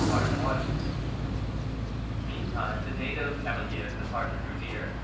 CHAPTER V Meantime the date of Cavalier's departure drew near.